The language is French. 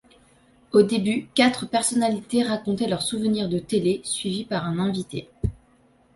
Au début, quatre personnalités racontaient leur souvenirs de télé, suivies par un invité.